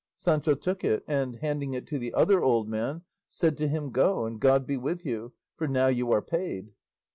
Sancho took it and, handing it to the other old man, said to him, "Go, and God be with you; for now you are paid."